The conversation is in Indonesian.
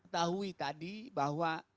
tahu tadi bahwa